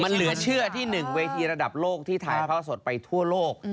มันเหลือเชื่อที่๑เวทีระดับโลกที่ถ่ายทอดสดไปทั่วโลก